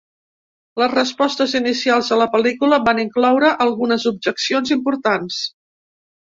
Les respostes inicials a la pel·lícula van incloure algunes objeccions importants.